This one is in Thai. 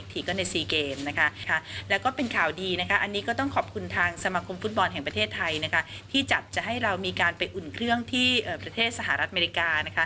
ที่เรามีการไปอุ่นเครื่องที่ประเทศสหรัฐอเมริกา